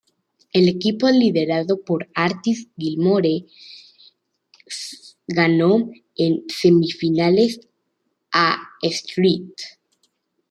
El equipo, liderado por Artis Gilmore, ganó en semifinales a St.